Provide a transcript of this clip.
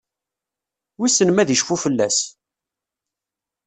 Wissen ma ad icfu fell-as?